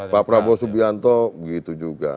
pak prabowo subianto begitu juga